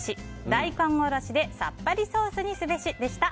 大根おろしでさっぱりソースにすべし、でした。